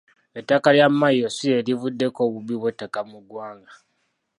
Ettaka lya mmayiro si lye livuddeko obubbi bw’ettaka mu ggwanga.